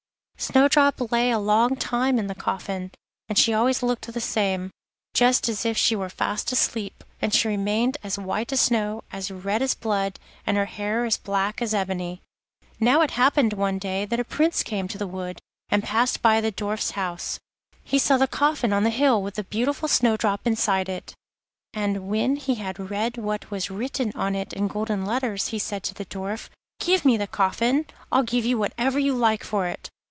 Snowdrop lay a long time in the coffin, and she always looked the same, just as if she were fast asleep, and she remained as white as snow, as red as blood, and her hair as black as ebony. Now it happened one day that a Prince came to the wood and passed by the Dwarfs' house. He saw the coffin on the hill, with the beautiful Snowdrop inside it, and when he had read what was written on it in golden letters, he said to the Dwarf: 'Give me the coffin. I'll give you whatever you like for it.